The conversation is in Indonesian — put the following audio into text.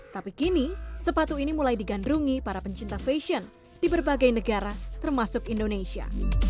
tapi kini sepatu ini mulai digandrungi para pencinta fashion di berbagai negara termasuk indonesia